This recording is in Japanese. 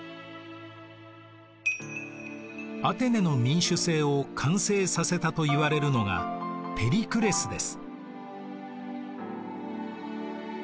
アテネの民主政を完成させたといわれるのがペリクレスです。